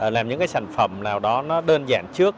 làm những cái sản phẩm nào đó nó đơn giản trước